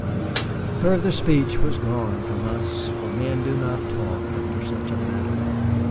Further speech was gone from us, for men do not talk after such a matter.